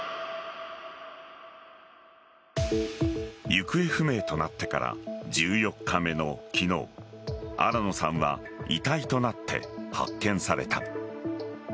行方不明となってから１４日目の昨日新野さんは遺体となって発見された。